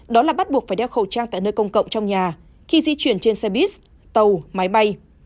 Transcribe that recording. đó là bắt buộc phải đeo khẩu trang tại nơi công cộng trong nhà khi di chuyển trên xe buýt tàu máy bay